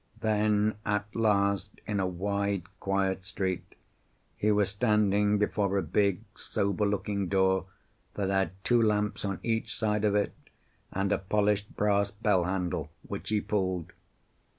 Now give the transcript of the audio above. Then at last, in a wide, quiet street, he was standing before a big, sober looking door that had two lamps on each side of it, and a polished brass bell handle, which he pulled.